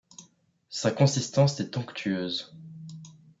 Sa consistance est onctueuse.